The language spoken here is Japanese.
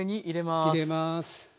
入れます。